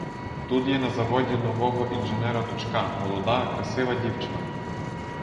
Тут є на заводі нового інженера дочка, молода, красива дівчина.